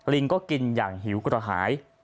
ลิงก็กินอย่างหิวกระหาย